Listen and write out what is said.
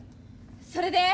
それで？